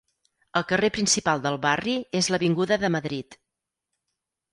El carrer principal del barri és l'avinguda de Madrid.